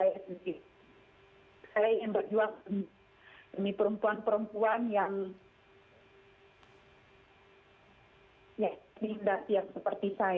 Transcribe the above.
lebih kuat dari mereka